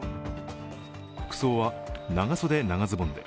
服装は長袖・長ズボンで。